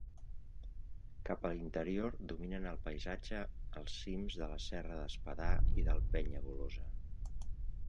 Cap a l'interior dominen el paisatge els cims de la serra d'Espadà i del Penyagolosa.